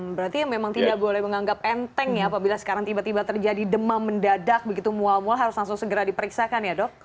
berarti memang tidak boleh menganggap enteng ya apabila sekarang tiba tiba terjadi demam mendadak begitu mual mual harus langsung segera diperiksakan ya dok